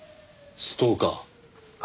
ストーカー？